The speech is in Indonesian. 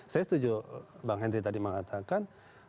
saya setuju bang henry tadi mengatakan